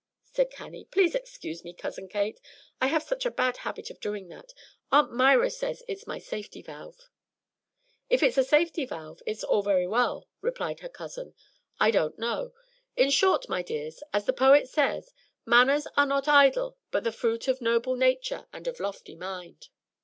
said Cannie. "Please excuse me, Cousin Kate. I have such a bad habit of doing that. Aunt Myra says it's my safety valve." "If it's a safety valve, it's all very well," replied her cousin. "I didn't know. In short, my dears, as the poet says, 'Manners are not idle, but the fruit Of noble nature and of lofty mind.'